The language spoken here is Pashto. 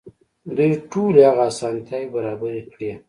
دوی ټولې هغه اسانتياوې برابرې کړې.